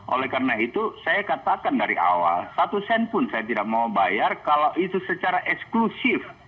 oleh karena itu saya katakan dari awal satu sen pun saya tidak mau bayar kalau itu secara eksklusif